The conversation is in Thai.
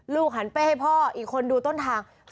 หันเป้ให้พ่ออีกคนดูต้นทาง